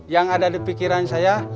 yang ada di pikiran saya